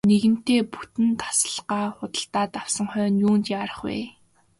Нэгэнтээ бүтэн тасалгаа худалдаад авсан хойно юундаа яарах вэ.